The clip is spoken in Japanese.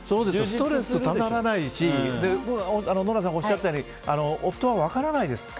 ストレスたまらないしノラさんがおっしゃったように夫は分からないです